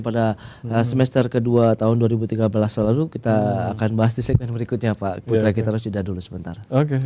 pada semester ke dua tahun dua ribu tiga belas lalu kita akan bahas di segmen berikutnya pak putri akitara sudah dulu sebentar